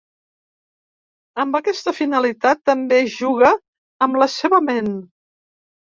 Amb aquesta finalitat, també juga amb la seva ment.